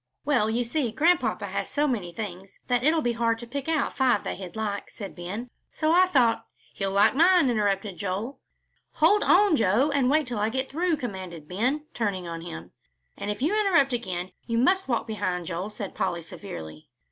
"Well, you see Grandpapa has so many things that it'll be hard to pick out five that he'd like," said Ben, "so I thought " "He'll like mine," interrupted Joel. "Hold on, Joe, and wait till I get through," commanded Ben, turning on him. "And if you interrupt again, you must walk behind, Joel," said Polly, severely.